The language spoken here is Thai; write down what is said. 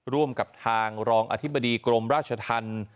ร่วมกับทางรองอธิบดีกรมราชธรรม